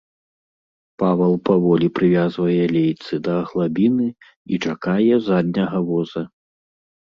Павал паволі прывязвае лейцы да аглабіны і чакае задняга воза.